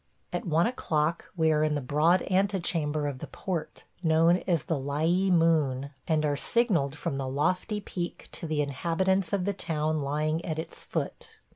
At one o'clock we are in the broad antechamber of the port, known as the Lyee Moon, and are signalled from the lofty peak to the inhabitants of the town lying at its foot.